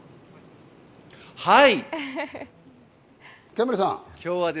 はい。